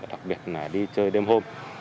đặc biệt là đi chơi đêm hôm